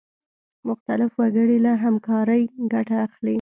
مختلف وګړي له همکارۍ ګټه اخلي.